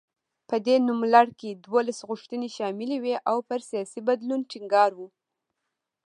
په دې نوملړ کې دولس غوښتنې شاملې وې او پر سیاسي بدلون ټینګار و.